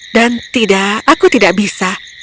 dan tidak aku tidak bisa